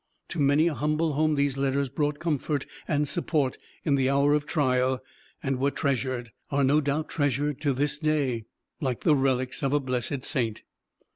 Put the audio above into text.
To many a humble home these letters brought comfort and support in the hour of trial, and were treasured are no doubt treasured to this day like the relics of a blessed saint.